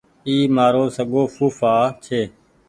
اي مآرو سگو ڦوڦآ ڇي